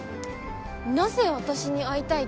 なぜ私に会いたいと？